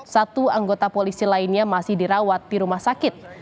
satu anggota polisi lainnya masih dirawat di rumah sakit